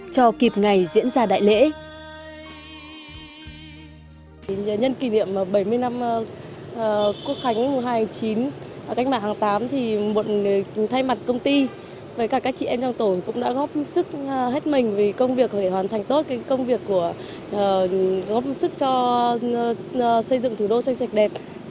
cho kịp ngày diễn ra đại lễ